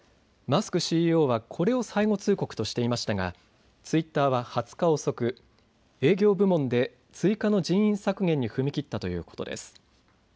マスクＣＥＯはこれを最後通告としていましたがツイッターは２０日遅く営業部門で追加の人員削減に踏み切ったということです。